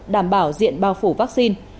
đảm bảo diện bao phủ vaccine